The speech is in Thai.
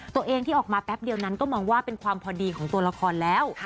ตัวเองที่ออกมาแป๊บเดียวนั้นก็มองว่าเป็นความพอดีของตัวละครแล้ว